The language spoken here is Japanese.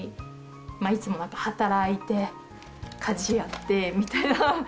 いつもなんか働いて、家事やってみたいな。